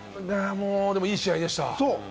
でも、いい試合でした。